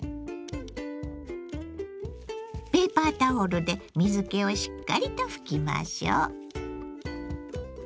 ペーパータオルで水けをしっかりと拭きましょう。